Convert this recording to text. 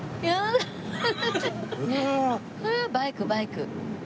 バイクバイク。